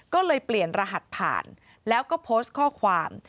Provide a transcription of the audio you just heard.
ก็เลยเปลี่ยนรหัสผ่านแล้วก็โพสต์ข้อความ